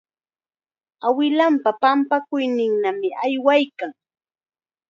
Awilanpa pampakuyninmanmi aywaykan.